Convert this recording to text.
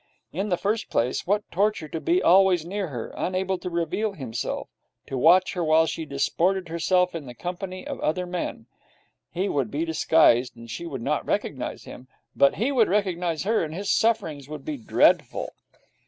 In the first place, what torture to be always near her, unable to reveal himself; to watch her while she disported herself in the company of other men. He would be disguised, and she would not recognize him; but he would recognize her, and his sufferings would be dreadful.